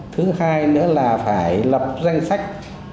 thứ hai nữa là phải lập danh sách